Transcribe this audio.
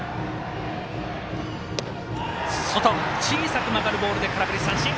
外、小さく曲がるボールで空振り三振。